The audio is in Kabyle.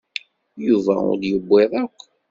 Yuba ur d-yewwiḍ akk.